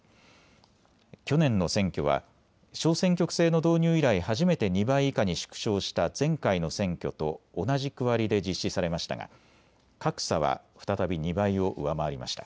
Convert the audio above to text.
去年の選挙は小選挙区制の導入以来初めて２倍以下に縮小した前回の選挙と同じ区割りで実施されましたが格差は再び２倍を上回りました。